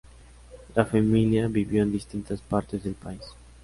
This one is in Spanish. La familia vivió en distintas partes del país.